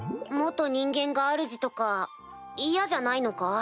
人間があるじとか嫌じゃないのか？